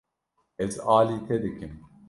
Ez alî te dikim.